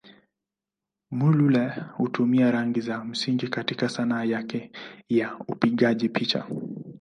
Muluneh hutumia rangi za msingi katika Sanaa yake ya upigaji picha.